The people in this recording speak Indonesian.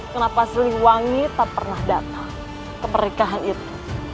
kenapa selim wangi tak pernah datang ke pernikahan itu